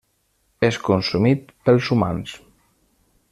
És consumit pels humans.